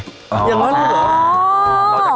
อย่างนั้นด้วยเหรอ